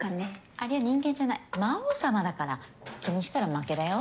あれは人間じゃない魔王様だから気にしたら負けだよ。